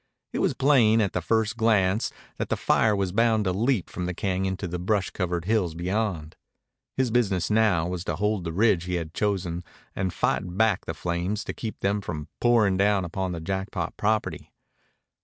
It was plain at the first glance that the fire was bound to leap from the cañon to the brush covered hills beyond. His business now was to hold the ridge he had chosen and fight back the flames to keep them from pouring down upon the Jackpot property.